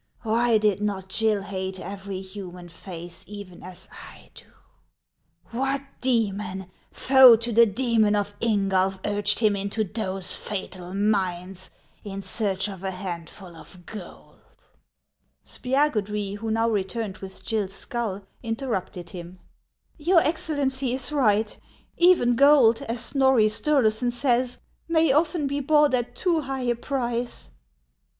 Why did not (Jill hate every human face even as I do ? What demon foe to the demon of Ingulf urged him into those fatal mines in search of a handful of gold ?" Spiagudry, who now returned with Gill's skull, inter rupted him :" Your Excellency is right ; even gold, as Snorri Sturleson says, may often be bought at too high a price."